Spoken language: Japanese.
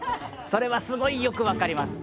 それはすごいよく分かります！